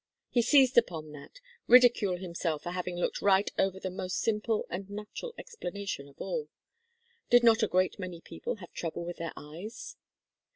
He seized upon that, ridiculing himself for having looked right over the most simple and natural explanation of all. Did not a great many people have trouble with their eyes?